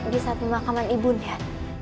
bisa memakamkan ibunda